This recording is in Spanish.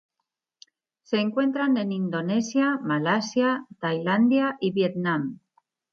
Se encuentran en Indonesia, Malasia, Tailandia y Vietnam.